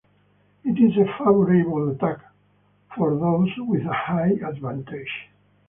It is a favourable attack for those with a height advantage.